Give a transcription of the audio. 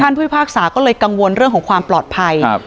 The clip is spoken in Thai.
ผู้พิพากษาก็เลยกังวลเรื่องของความปลอดภัยครับ